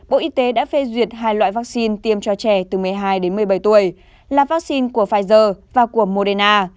bộ y tế đã phê duyệt hai loại vắc xin tiêm cho trẻ từ một mươi hai đến một mươi bảy tuổi là vắc xin của pfizer và của moderna